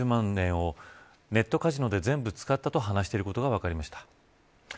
２４歳の男性は４６３０万円をネットカジノで全部使ったと話していることが分かりました。